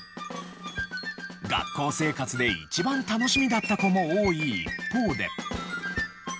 学校生活で一番楽しみだった子も多い一方で。